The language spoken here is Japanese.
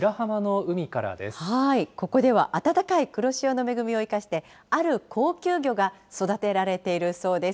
ここでは、暖かい黒潮の恵みを生かして、ある高級魚が育てられているそうです。